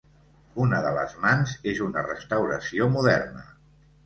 Una de les mans és una restauració moderna.